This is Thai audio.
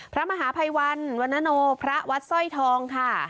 พระมหาภัยวันวันนโนพระวัดสร้อยทองค่ะ